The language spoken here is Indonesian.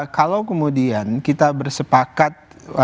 kalau kemudian kita bersepakat